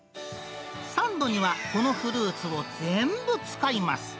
サンドには、このフルーツを全部使います。